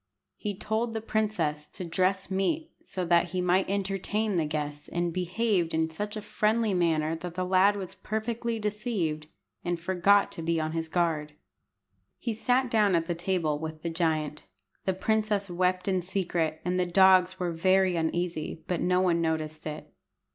He told the princess to dress meat, so that he might entertain the guest, and behaved in such a friendly manner that the lad was perfectly deceived, and forgot to be on his guard. He sat down at the table with the giant. The princess wept in secret, and the dogs were very uneasy, but no one noticed it.